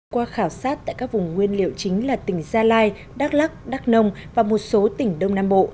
qua khảo sát tại các vùng nguyên liệu chính là tỉnh gia lai đắk lắc đắk nông và một số tỉnh đông nam bộ